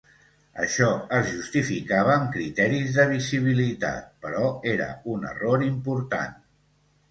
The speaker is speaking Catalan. Això es justificava amb criteris de visibilitat, però era un error important.